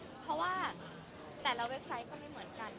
เพราะว่าแต่ละเว็บไซต์ก็ไม่เหมือนกัน